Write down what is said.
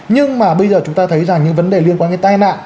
nhưng mà bây giờ chúng ta thấy rằng những vấn đề liên quan đến tai nạn